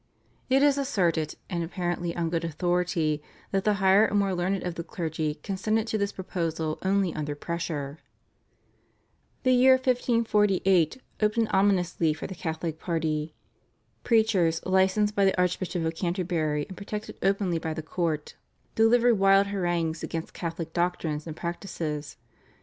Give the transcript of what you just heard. It is asserted, and apparently on good authority, that the higher and more learned of the clergy consented to this proposal only under pressure. The year 1548 opened ominously for the Catholic party. Preachers, licensed by the Archbishop of Canterbury and protected openly by the court, delivered wild harangues against Catholic doctrines and practices.